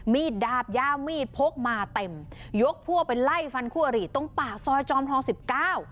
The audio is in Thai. ดาบยาวมีดพกมาเต็มยกพวกไปไล่ฟันคู่อริตรงปากซอยจอมทองสิบเก้า